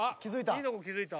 いいとこ気付いた。